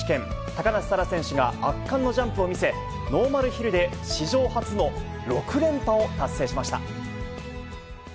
高梨沙羅選手が圧巻のジャンプを見せ、ノーマルヒルで史上初の６連覇を達成しました。